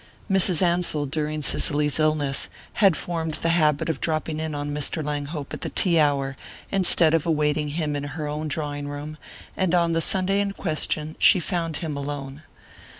Mrs. Ansell, during Cicely's illness, had formed the habit of dropping in on Mr. Langhope at the tea hour instead of awaiting him in her own drawing room; and on the Sunday in question she found him alone.